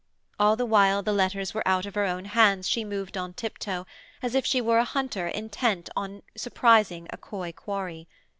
All the while the letters were out of her own hands she moved on tiptoe, as if she were a hunter intent on surprising a coy quarry.